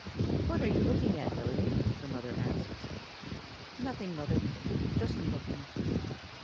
"What are you looking at, Lillian?" her mother asks. "Nothing, Mother; just looking."